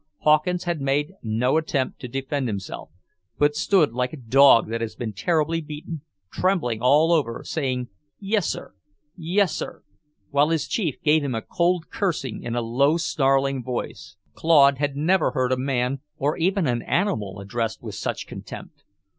Hawkins had made no attempt to defend himself, but stood like a dog that has been terribly beaten, trembling all over, saying "Yes, sir. Yes, sir," while his chief gave him a cold cursing in a low, snarling voice. Claude had never heard a man or even an animal addressed with such contempt.